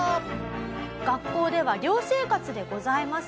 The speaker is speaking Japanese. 学校では寮生活でございます。